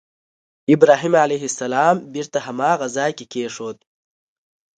ابراهیم علیه السلام بېرته هماغه ځای کې کېښود.